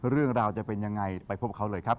เรื่องราวจะเป็นยังไงไปพบเขาเลยครับ